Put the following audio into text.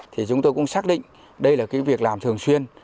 thì chúng tôi cũng xác định đây là cái việc làm thường xuyên